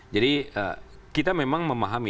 jadi kita memang memahami